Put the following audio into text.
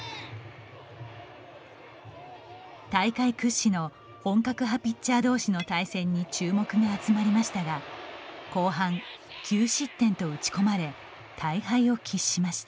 大会屈指の本格派ピッチャー同士の対戦に注目が集まりましたが後半９失点と打ち込まれ大敗を喫しました。